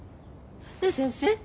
ねえ先生。